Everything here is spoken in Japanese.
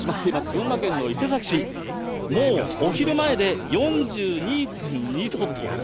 群馬県の伊勢崎市、もうお昼前で４２．２度と。